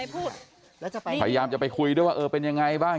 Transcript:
พยายามจะไปคุยด้วยว่าเออเป็นยังไงบ้าง